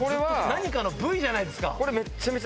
何かの部位じゃないですか？